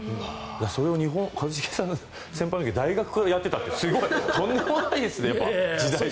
それを一茂さん、先輩の時は大学からやっていたってとんでもないですね、時代が。